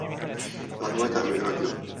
راهنمای تعمیر رادیو